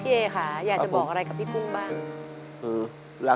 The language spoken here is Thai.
เปลี่ยนเพลงเพลงเก่งของคุณและข้ามผิดได้๑คำ